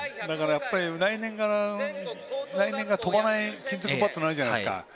来年から飛ばない金属バットになるじゃないですか。